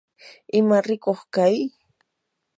imarikuq kay